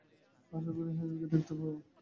আশা করি হ্যাজেলকে দেখতে পাব।